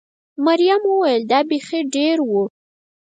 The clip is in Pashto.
مريم وویل: دا بېخي ډېر و.